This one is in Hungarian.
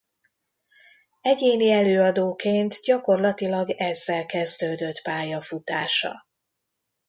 Egyéni előadóként gyakorlatilag ezzel kezdődött pályafutása.